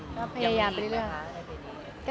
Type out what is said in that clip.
ก็พยายามไปเรื่อย